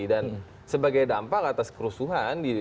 dan sebagai dampak atas kerusuhan